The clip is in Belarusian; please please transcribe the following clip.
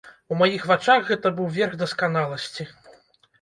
У маіх вачах гэта быў верх дасканаласці.